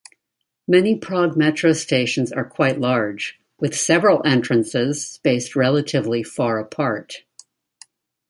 Many Prague Metro stations are quite large, with several entrances spaced relatively far apart.